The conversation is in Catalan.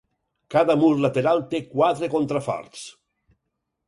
Cada mur lateral té quatre contraforts.